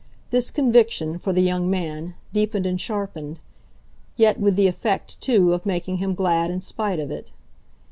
This conviction, for the young man, deepened and sharpened; yet with the effect, too, of making him glad in spite of it.